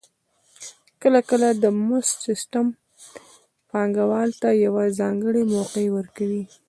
کله کله د مزد سیستم پانګوال ته یوه ځانګړې موقع ورکوي